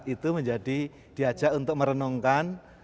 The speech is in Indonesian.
itu menjadi diajak untuk merenungkan